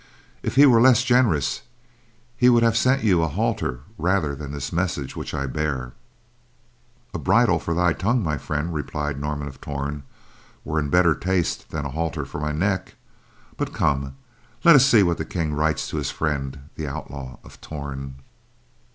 If he were less generous, he would have sent you a halter rather than this message which I bear." "A bridle for thy tongue, my friend," replied Norman of Torn, "were in better taste than a halter for my neck. But come, let us see what the King writes to his friend, the Outlaw of Torn."